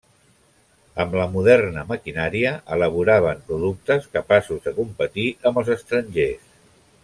Amb la moderna maquinària elaboraven productes capaços de competir amb els estrangers.